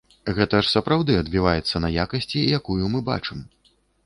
Гэта ж сапраўды адбіваецца на якасці, якую мы бачым.